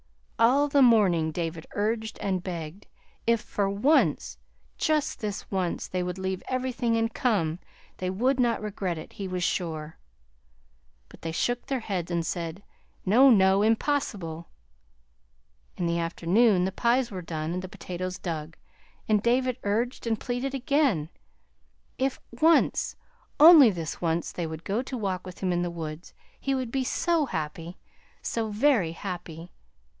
All the morning David urged and begged. If for once, just this once, they would leave everything and come, they would not regret it, he was sure. But they shook their heads and said, "No, no, impossible!" In the afternoon the pies were done and the potatoes dug, and David urged and pleaded again. If once, only this once, they would go to walk with him in the woods, he would be so happy, so very happy!